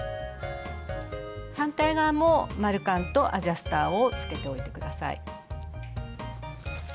反対側も丸カンとアジャスターをつけておいて下さい。